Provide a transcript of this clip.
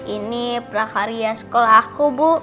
ini prakarya sekolah aku bu